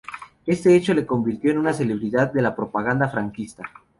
Este hecho le convirtió en una celebridad de la propaganda franquista.